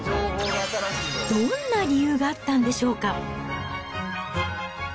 どんな理由があったんでしょうか。